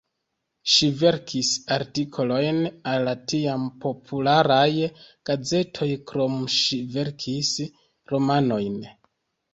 Ŝi verkis artikolojn al la tiam popularaj gazetoj, krome ŝi verkis romanojn.